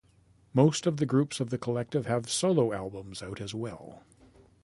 Most of the groups of the collective have solo albums out as well.